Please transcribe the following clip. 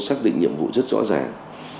xác định nhiệm vụ rất rõ ràng